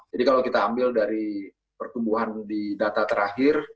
jadi kalau kita ambil dari pertumbuhan di data terakhir